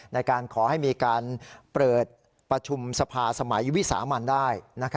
ในการขอให้มีการเปิดประชุมสภาสมัยวิสามันได้